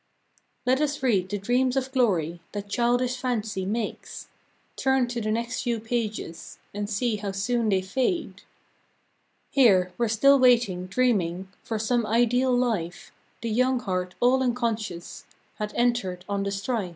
Let us read the dreams of glory That childish fancy made; Turn to the next few pages, And see how soon they fade. Here, where still waiting, dreaming, For some ideal Life, The young heart all unconscious Had entered on the strife.